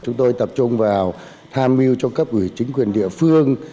chúng tôi tập trung vào tham mưu cho cấp ủy chính quyền địa phương